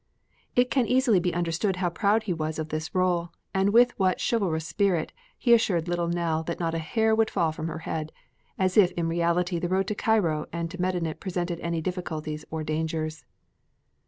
It can easily be understood how proud he was of this role and with what chivalrous spirit he assured little Nell that not a hair would fall from her head, as if in reality the road to Cairo and to Medinet presented any difficulties or dangers.